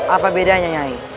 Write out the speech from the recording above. apa bedanya nyai